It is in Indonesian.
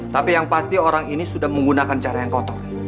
tapi yang pasti orang ini sudah menggunakan cara yang kotor